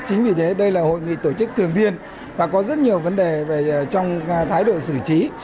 chính vì thế đây là hội nghị tổ chức thường thiên và có rất nhiều vấn đề trong thái độ sử trí